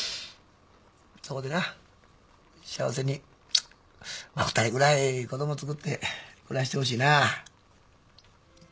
そこでな幸せにまあ二人ぐらい子供つくって暮らしてほしいなあ。